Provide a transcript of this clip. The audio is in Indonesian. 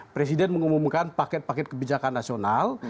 presiden mengumumkan paket paket kebijakan nasional